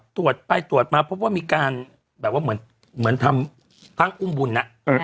ตรวจไปตรวจมาพบว่ามีการแบบว่าเหมือนทำทั้งอุ้มบุญ